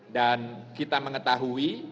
dan kita mengetahui